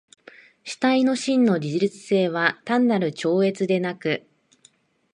主体の真の自律性は単なる超越でなく、